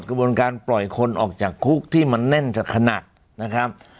กระบวนการปล่อยคนออกจากคุกที่มันแน่นจะขนาดนะครับ